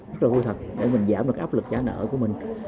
rất là vui thật để mình giảm được cái áp lực trả nợ của mình